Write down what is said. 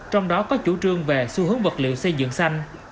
trong đó có chủ trương về xu hướng vật liệu xây dựng xanh